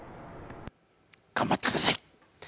頑張ってください。